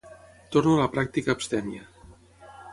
Torno a la pràctica abstèmia.